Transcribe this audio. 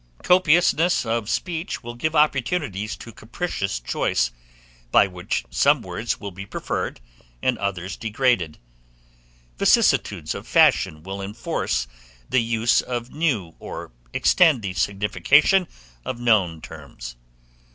Copiousness of speech will give opportunities to capricious choice, by which some words will be preferred, and others degraded; vicissitudes of fashion will enforce the use of new, or extend the signification of known terms.